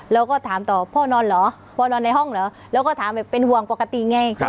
เราก็ถามต่อพ่อนอนเหรอพ่อนอนในห้องเหรอแล้วก็ถามแบบเป็นห่วงปกติไง